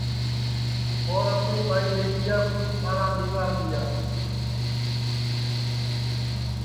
اور اپٹؔی ٻائی ٻیٹیا کُو سارا آدیکرا دؔیا